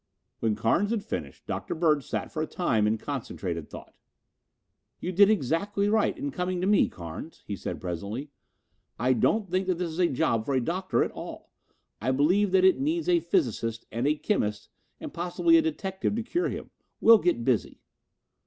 When Carnes had finished, Dr. Bird sat for a time in concentrated thought. "You did exactly right in coming to me, Carnes," he said presently. "I don't think that this is a job for a doctor at all I believe that it needs a physicist and a chemist and possibly a detective to cure him. We'll get busy."